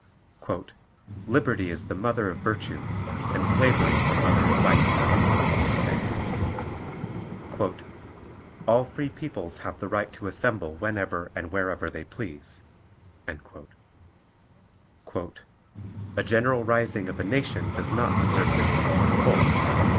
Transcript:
"Liberty is the mother of virtues, and slavery the mother of vices." "All free peoples have the right to assemble whenever and wherever they please." "A general rising of a nation does not deserve the name of a revolt.